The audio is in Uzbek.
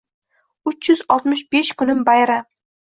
Uch yuz oltmish besh kunim bayram